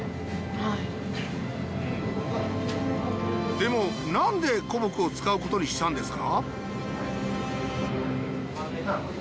でもなんで古木を使うことにしたんですか？